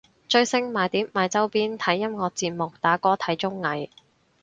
追星買碟買周邊睇音樂節目打歌睇綜藝